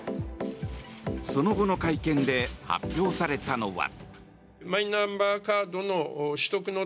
その後の会見で発表されたのは。